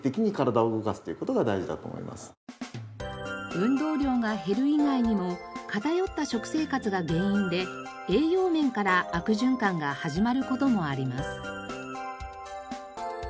運動量が減る以外にも偏った食生活が原因で栄養面から悪循環が始まる事もあります。